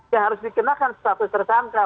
ya harus dikenakan status tersangka